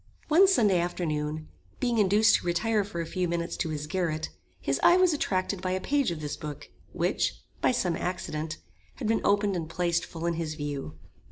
One Sunday afternoon, being induced to retire for a few minutes to his garret, his eye was attracted by a page of this book, which, by some accident, had been opened and placed full in his view.